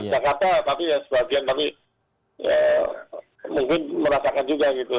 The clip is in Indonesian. jakarta tapi ya sebagian tapi mungkin merasakan juga gitu